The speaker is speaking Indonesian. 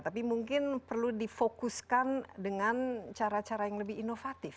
tapi mungkin perlu difokuskan dengan cara cara yang lebih inovatif